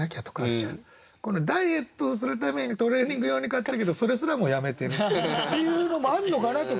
ダイエットをするためにトレーニング用に買ったけどそれすらもやめてるっていうのもあるのかなとか。